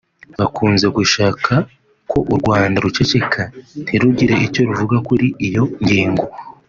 bakunze gushaka ko u Rwanda ruceceka ntirugire icyo ruvuga kuri iyo ngingo